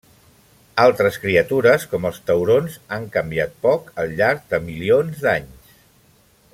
Altres criatures, com els taurons, han canviat poc al llarg de milions d'anys.